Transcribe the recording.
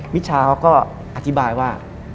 มิชาเขาก็อธิบายว่า